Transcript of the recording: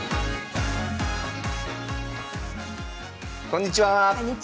こんにちは。